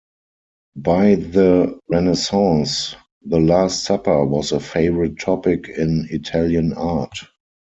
By the Renaissance, the Last Supper was a favorite topic in Italian art.